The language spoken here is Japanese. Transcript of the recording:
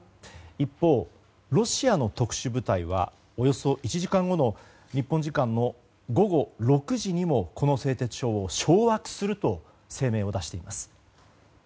一方、ロシアの特殊部隊はおよそ１時間後の日本時間午後６時にもこの製鉄所を掌握すると声明を出しています。